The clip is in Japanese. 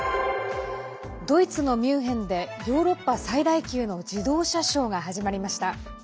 ドイツのミュンヘンでヨーロッパ最大級の自動車ショーが始まりました。